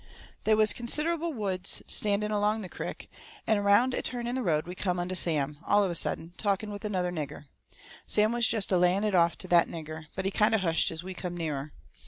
They was considerable woods standing along the crick, and around a turn in the road we come onto Sam, all of a sudden, talking with another nigger. Sam was jest a laying it off to that nigger, but he kind of hushed as we come nearer.